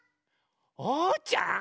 おうちゃん？